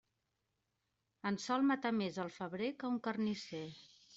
En sol matar més el febrer que un carnisser.